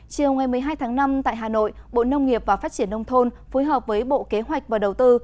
chiều ngày một mươi hai tháng năm tại hà nội bộ nông nghiệp và phát triển nông thôn phối hợp với bộ kế hoạch và đầu tư